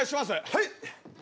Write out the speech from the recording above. はい！